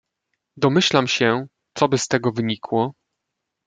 "Domyślam się, coby z tego wynikło."